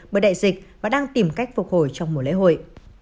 bởi đại dịch và đang tìm cách phục hồi trong mùa lễ hội